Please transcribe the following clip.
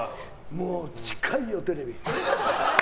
もう近いよ、テレビ。